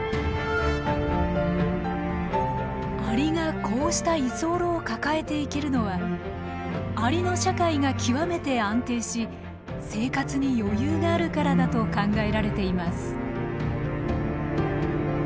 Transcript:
アリがこうした居候を抱えていけるのはアリの社会が極めて安定し生活に余裕があるからだと考えられています。